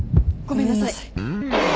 ごめんなさい。